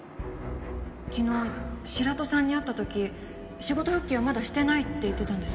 昨日白土さんに会った時仕事復帰はまだしてないって言ってたんです。